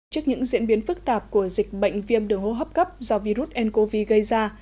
trước những diễn biến phức tạp của dịch bệnh viêm đường hô hấp cấp do virus ncov gây ra